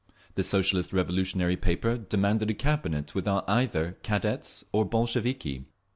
The Socialist Revolutionary paper demanded a Cabinet without either Cadets or Bolsheviki.